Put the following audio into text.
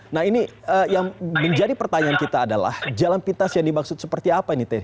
nah ini yang menjadi pertanyaan kita adalah jalan pintas yang dimaksud seperti apa ini teh